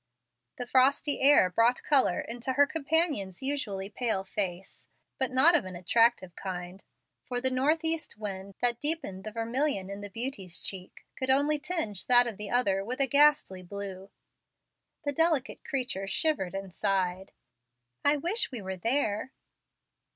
The frosty air brought color into her companion's usually pale face, but not of an attractive kind, for the north east wind that deepened the vermilion in the beauty's cheek could only tinge that of the other with a ghastly blue. The delicate creature shivered and sighed. "I wish we were there."